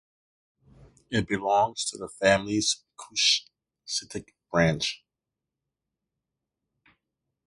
It belongs to the family's Cushitic branch.